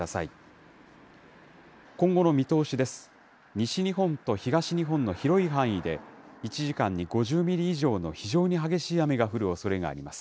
西日本と東日本の広い範囲で、１時間に５０ミリ以上の非常に激しい雨が降るおそれがあります。